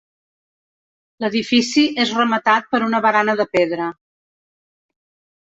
L'edifici és rematat per una barana de pedra.